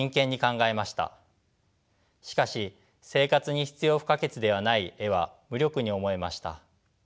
しかし生活に必要不可欠ではない絵は無力に思えました。